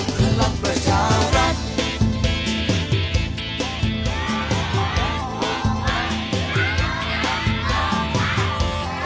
พลังประชาวรักษ์